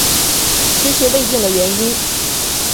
迟迟未定的原因